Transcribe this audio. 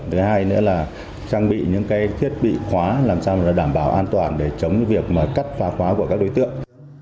thứ hai nữa là trang bị những cái thiết bị khóa làm sao đảm bảo an toàn để chống cái việc mà cắt phá khóa của các đối tượng